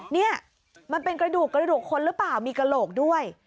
นี่มันเป็นกระดูกกระดูกคนหรือเปล่ามีกระโหลกด้วย